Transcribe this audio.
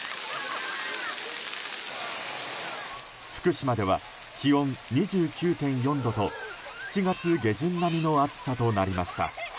福島では気温２９．４度と７月下旬並みの暑さとなりました。